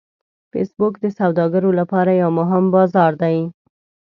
فېسبوک د سوداګرو لپاره یو مهم بازار دی